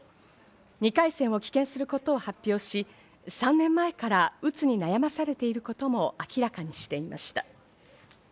２回戦を棄権することを発表し、３年前から、うつに悩まされていることも明らかにしていました。